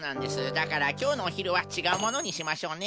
だからきょうのおひるはちがうものにしましょうね。